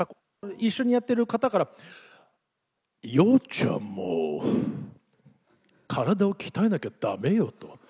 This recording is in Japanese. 一緒にやってる方から、洋ちゃんも、体を鍛えなきゃだめよと。